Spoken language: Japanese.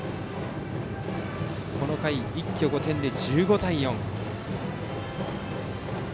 この回一挙５点で１５対４。